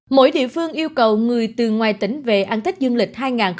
mỗi địa phương yêu cầu người từ ngoài tỉnh về ăn thích dương lịch hai nghìn hai mươi hai